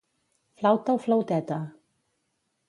Flauta o flauteta?